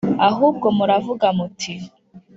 Ahubwo muravuga muti